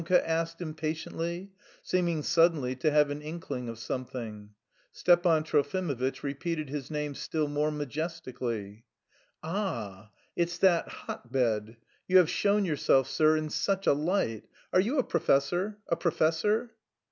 Name?" Lembke asked impatiently, seeming suddenly to have an inkling of something. Stepan Trofimovitch repeated his name still more majestically. "A a ah! It's... that hotbed... You have shown yourself, sir, in such a light.... Are you a professor? a professor?"